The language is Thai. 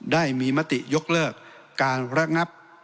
ได้มีมติยกเลิกการระงับ